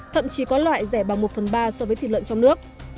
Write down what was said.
thậm chí có loại rẻ bằng một phần ba so với thịt lợn trong nước